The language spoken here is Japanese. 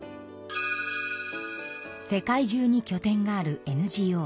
世界中にきょ点があるＮＧＯ